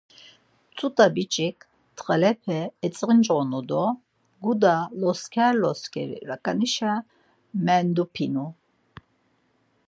Tzut̆a biç̌ik txalepe etzincğonu do guda losker loskeri raǩanişa mendupinu.